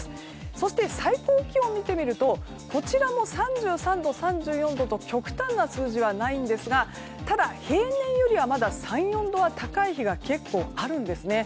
そして、最高気温を見てみるとこちらも３３度、３４度と極端な数字はないんですがただ、平年よりはまだ３４度は高い日が結構あるんですね。